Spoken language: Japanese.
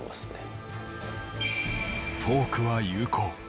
「フォークは有効」。